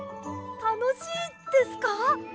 たのしいですか？